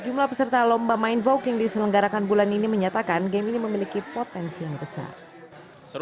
jumlah peserta lomba mindvogue yang diselenggarakan bulan ini menyatakan game ini memiliki potensi yang besar